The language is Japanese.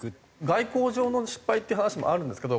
外交上の失敗っていう話もあるんですけど